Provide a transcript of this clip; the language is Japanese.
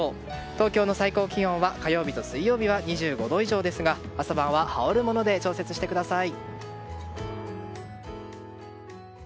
東京の最高気温は、火曜日と水曜日は２５度以上ですが朝晩は羽織るもので調節してください。